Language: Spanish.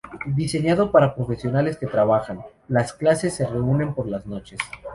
Diseñado para profesionales que trabajan, las clases se reúnen por las noches.